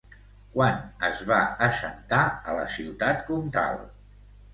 Quan es va assentar a la Ciutat Comtal?